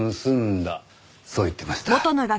そう言ってました。